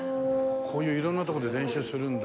こういう色んな所で練習するんだ。